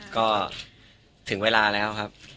ก็ถึงเวลาแล้วครับ